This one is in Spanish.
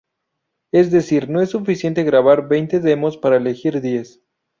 Es decir, no es suficiente grabar veinte demos para elegir diez.